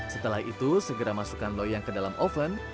setelah itu segera masukkan loyang ke dalam oven